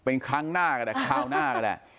เป็นครั้งหน้าก็ได้คราวหน้าก็ได้